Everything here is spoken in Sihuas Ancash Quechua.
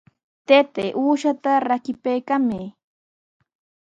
Taytay, uushaata rakipaykamay.